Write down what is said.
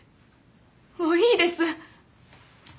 もういいです。